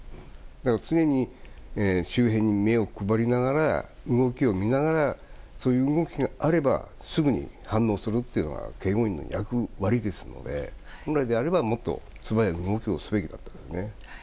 常に周辺に目を配りながら動きを見ながら動きがあればすぐに反応するというのが警護員の役割ですので本来であれば、もっと素早い動きをすべきだったと思いますね。